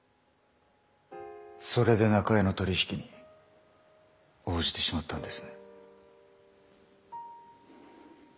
それで中江の取り引きに応じてしまったんですね？